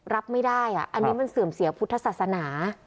รับไม่ได้อันนี้มันเสื่อมเสียพุทธศาสนา